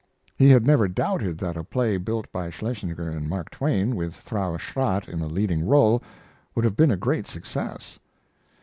He had never doubted that a play built by Schlesinger and Mark Twain, with Frau Schratt in the leading role, would have been a great success.